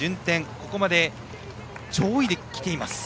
ここまで上位で来ています。